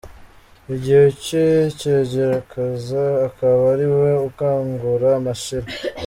Igihe cye cyagera akaza, akaba ari we ukangura Mashira.